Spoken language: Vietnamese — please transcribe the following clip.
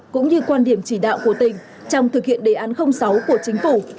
cũng như quan điểm chỉ đạo của tỉnh trong thực hiện đề án sáu của chính phủ